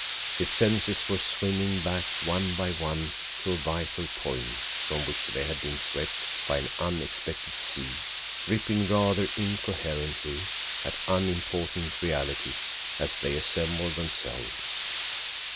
His senses were swimming back one by one to a vital point from which they had been swept by an unexpected sea, gripping rather incoherently at unimportant realities as they assembled themselves.